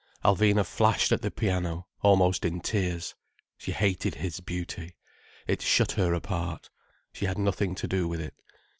Alvina flashed at the piano, almost in tears. She hated his beauty. It shut her apart. She had nothing to do with it.